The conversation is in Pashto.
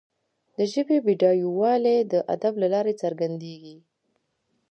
د ژبي بډایوالی د ادب له لارې څرګندیږي.